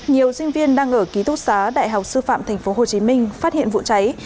nhiều sinh viên đang ở ký túc xá đại học sư phạm tp hcm phát hiện vụ cháy